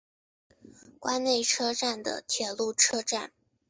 关内车站的铁路车站。